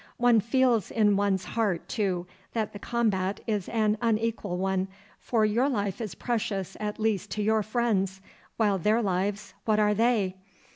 One feels in one's heart, too, that the combat is an unequal one, for your life is precious at least to your friends, while their lives, what are they?